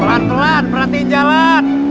pelan pelan perhatiin jalan